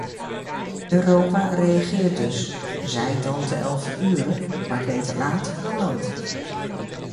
Europa reageert dus, zij het dan te elfder ure, maar beter laat dan nooit.